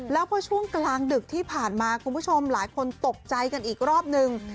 แล้วพอช่วงกลางดึกที่ผ่านมาคุณผู้ชมหลายคนตกใจกันอีกรอบนึง